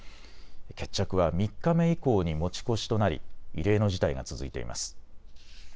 決着は３日目以降に持ち越しとなり、異例の事態が続いています。